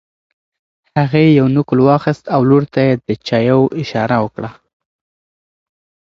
هغې یو نقل واخیست او لور ته یې د چایو اشاره وکړه.